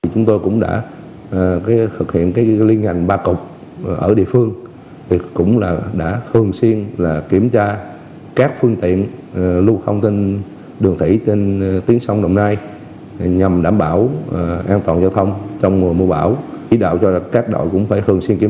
chú trọng kiểm tra các quy định như phương tiện phải có đầy đủ giấy đăng ký đăng ký